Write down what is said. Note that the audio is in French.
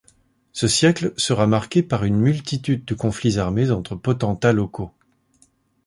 Ce siècle sera marqué par une multitude de conflits armés entre potentats locaux.